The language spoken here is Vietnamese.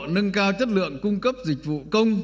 nâng cao chất lượng cung cấp dịch vụ công